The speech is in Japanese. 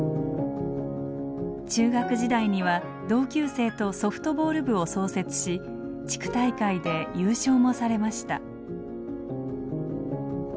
中学時代には同級生とソフトボール部を創設し地区大会で優勝もされました。